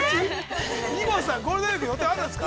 ◆井森さん、ゴールデンウイーク予定あるんですか？